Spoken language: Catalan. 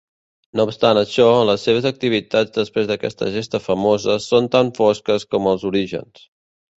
No obstant això, les seves activitats després d'aquesta gesta famosa són tan fosques com els orígens.